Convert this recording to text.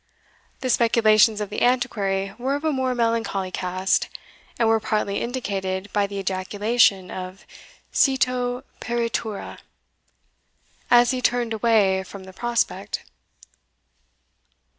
The speculations of the Antiquary were of a more melancholy cast, and were partly indicated by the ejaculation of cito peritura! as he turned away from the prospect.